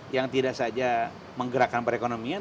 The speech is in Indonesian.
yang tidak saja menggerakkan perekonomian